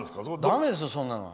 だめですよ、そんなのは。